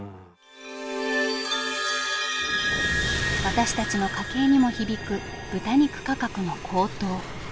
私たちの家計にも響く豚肉価格の高騰。